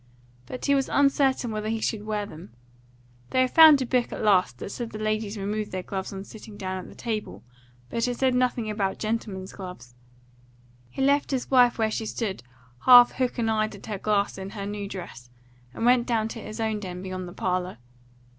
But he was uncertain whether he should wear them. They had found a book at last that said the ladies removed their gloves on sitting down at table, but it said nothing about gentlemen's gloves. He left his wife where she stood half hook and eyed at her glass in her new dress, and went down to his own den beyond the parlour.